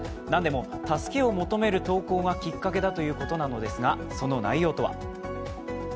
何でも助けを求める投稿がきっかけだということなのですがその内容とは。